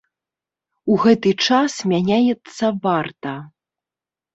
У гэты час мяняецца варта.